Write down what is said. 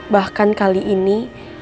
bahkan kali ini